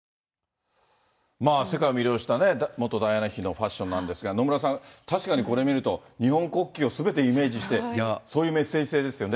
世界を魅了した元ダイアナ妃のファッションなんですが、野村さん、確かにこれ見ると、日本国旗をすべてイメージして、そういうメッセージ性ですよね。